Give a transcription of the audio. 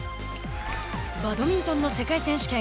バドミントンの世界選手権。